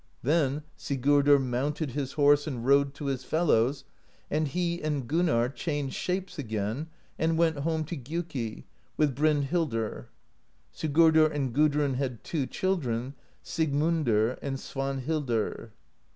Then Sigurdr mounted his horse and rode to his fellows, and he and Gunnarr changed shapes again and went home to Gjuki with Brynhildr. Sigurdr and Gudrun had two children, Sigmundr and Svanhildr.